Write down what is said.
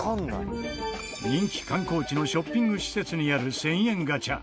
人気観光地のショッピング施設にある１０００円ガチャ。